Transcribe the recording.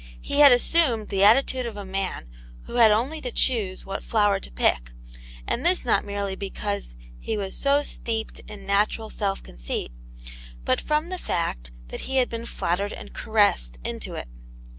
He bad assumed the attitude of a man who had only to choose what flower to pick, and this not merely because he was so steeped in natural self conceit, but from the fact that he had been flattered and caressed into it.